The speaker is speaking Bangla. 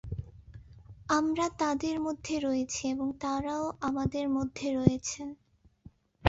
আমরা তাঁদের মধ্যে রয়েছি এবং তাঁরাও আমাদের মধ্যে রয়েছেন।